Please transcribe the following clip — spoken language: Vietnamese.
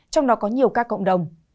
trong đó có nhiều ca cộng đồng